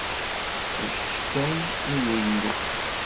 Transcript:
D kečč kan i d Illu.